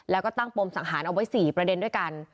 แล้วก็ตั้งปมสังหารเอาไว้๔ประเด็นด้วยกัน